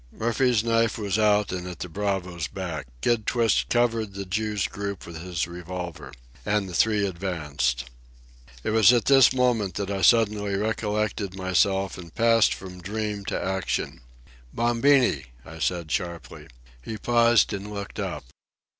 Murphy's knife was out and at the bravo's back. Kid Twist covered the Jew's group with his revolver. And the three advanced. It was at this moment that I suddenly recollected myself and passed from dream to action. "Bombini!" I said sharply. He paused and looked up.